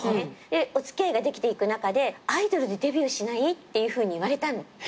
でお付き合いができていく中でアイドルでデビューしない？っていうふうに言われたの。